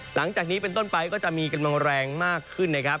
หลังจากนี้เป็นต้นไปก็จะมีกำลังแรงมากขึ้นนะครับ